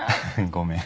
ごめん。